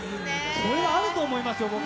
これはあると思いますよ、僕。